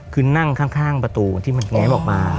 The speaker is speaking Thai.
คือนั่งข้างประตูที่มันแง้มออกมา